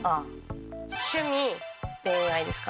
趣味恋愛ですかね。